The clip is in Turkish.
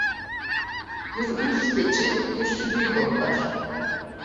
Bir uyuz keçi bir sürüyü boklar.